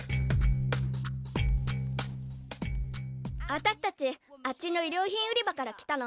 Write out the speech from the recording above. あたしたちあっちのいりょうひん売り場から来たの。